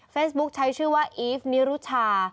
เฟซบุ๊กใช้ชื่อว่าอีฟนิรุชา